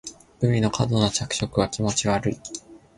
グミの過度な着色は気持ち悪い